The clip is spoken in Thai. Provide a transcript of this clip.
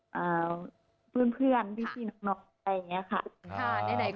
ค่ะเนี่ยไหนก็เป็นนางสงกรานพระประแดงแล้วพูดถึงท่าสการสงกรานบ้านเราหน่อยมั้ยคะคิดเห็นอย่างไรหรือว่าอยากจะฝากเตือนเพื่อนพี่น้อง